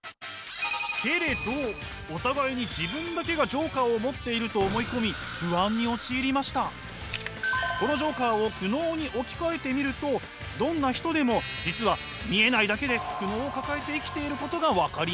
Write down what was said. けれどお互いに自分だけがこのジョーカーを苦悩に置き換えてみるとどんな人でも実は見えないだけで苦悩を抱えて生きていることが分かります。